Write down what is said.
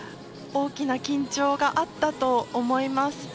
大きな緊張があったと思います。